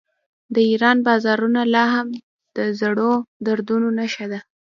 د ایران بازارونه لا هم د زړو دودونو نښه ده.